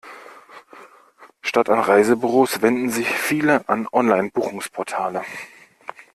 Statt an Reisebüros wenden sich viele an Online-Buchungsportale.